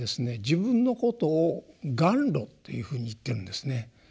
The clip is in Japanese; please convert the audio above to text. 自分のことを「頑魯」というふうに言ってるんですね。